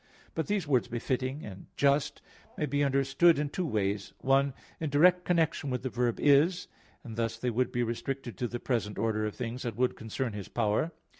But these words "befitting" and "just" may be understood in two ways: one, in direct connection with the verb "is"; and thus they would be restricted to the present order of things; and would concern His power.